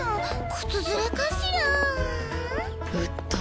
靴擦れかしら？